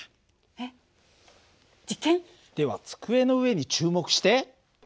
えっ実験？では机の上に注目して。